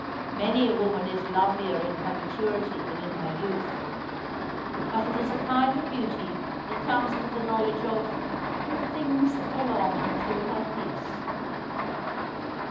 Many a woman is lovelier in her maturity than in her youth. But it is a kind of beauty that comes with the knowledge of "the things that belong unto her peace."